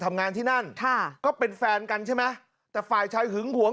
ทำงานที่นั่นค่ะก็เป็นแฟนกันใช่ไหมแต่ฝ่ายชายหึงหวง